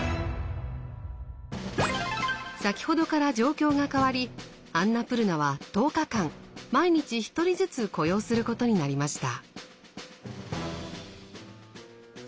先ほどから状況が変わりアンナプルナは１０日間毎日１人ずつ雇用することになりました。